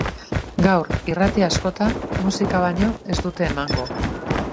Gaur, irrati askotan musika baino ez dute emango.